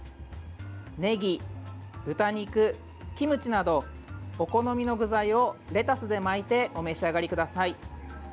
ねぎ、豚肉、キムチなどお好みの具材をレタスで巻いてお召し上がりください。